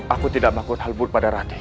aku tidak melakukan hal buruk pada ratih